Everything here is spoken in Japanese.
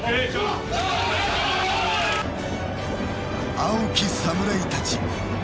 青き侍たち。